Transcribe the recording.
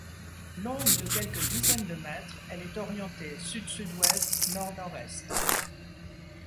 Longue de quelques dizaines de mètres, elle est orientée sud-sud-ouest-nord-nord-est.